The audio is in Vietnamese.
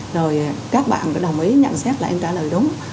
rồi các bạn đồng ý nhận xét là em trả lời đúng